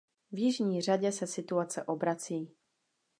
V jižní řadě se situace obrací.